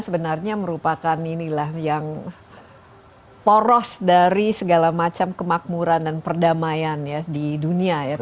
sebenarnya merupakan inilah yang poros dari segala macam kemakmuran dan perdamaian ya di dunia ya